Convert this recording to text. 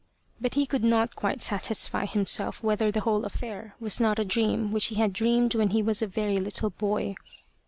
But he could not quite satisfy himself whether the whole affair was not a dream which he had dreamed when he was a very little boy.